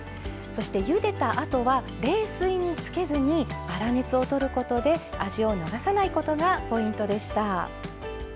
そして、ゆでたあとは冷水につけずに粗熱をとることで味を流さないことがポイントでした。